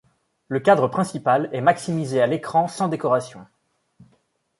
Le cadre principal est maximisé à l'écran sans décoration.